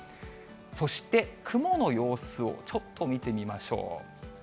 そして雲の様子をちょっと見てみましょう。